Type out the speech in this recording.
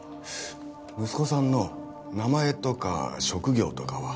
息子さんの名前とか職業とかは？